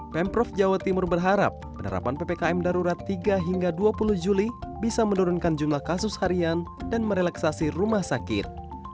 pemprov jawa timur berharap penerapan ppkm darurat tiga hingga dua puluh juli bisa menurunkan jumlah kasus harian dan merelaksasi rumah sakit